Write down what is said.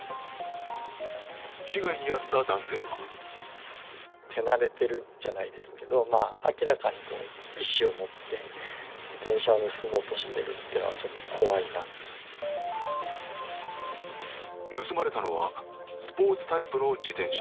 被害に遭った男性は盗まれたのはスポーツタイプの自転車。